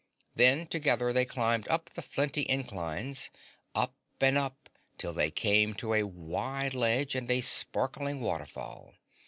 Then together they climbed up the flinty inclines up and up till they came to a wide ledge and a sparkling waterfall.